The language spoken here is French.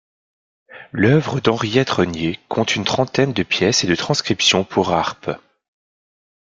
L'œuvre d'Henriette Renié compte une trentaine de pièces et de transcriptions pour harpe.